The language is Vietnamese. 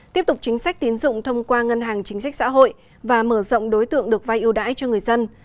tiếp tục chính sách tiến dụng thông qua ngân hàng chính sách xã hội và mở rộng đối tượng được vai ưu đãi cho người dân